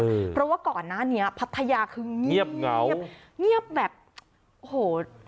อืมเพราะว่าก่อนอาหารเนี้ยพัทยาคือเงียบเงียบแบบโห